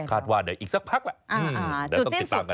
คาดว่าเดี๋ยวอีกสักพักละ